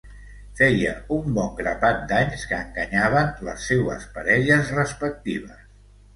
Feia un bon grapat d'anys que enganyaven les seues parelles respectives.